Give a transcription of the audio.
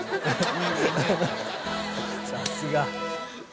さすが。